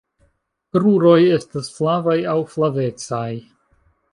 Kruroj estas flavaj aŭ flavecaj.